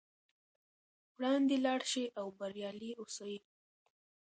وړاندې لاړ شئ او بریالي اوسئ.